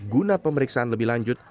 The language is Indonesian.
guna pemeriksaan lebih lanjut